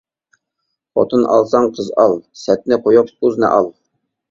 خوتۇن ئالساڭ قىز ئال، سەتنى قويۇپ ئۇزنى ئال.